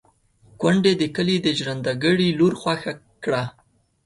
کونډې د کلي د ژرنده ګړي لور خوښه کړه.